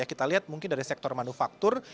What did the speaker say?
kita lihat mungkin dari sektor manufaktur